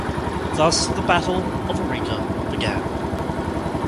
Thus the Battle of Arica began.